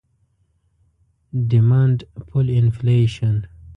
Demand pull Inflation